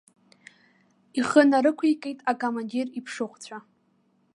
Ихы нарықәикит акомандир иԥшыхәцәа.